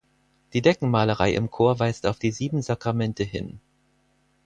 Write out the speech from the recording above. Die Deckenmalerei im Chor weist auf die sieben Sakramente hin.